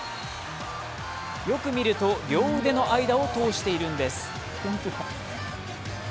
よく見ると両腕の間を通しているんです。